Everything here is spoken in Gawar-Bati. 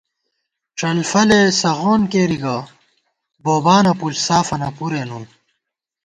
ڄلفَلےسغون کېری گہ بوبانہ پُݪ سافَنہ پُرےنُن